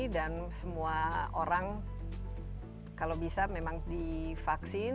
dan semua orang kalau bisa memang divaksin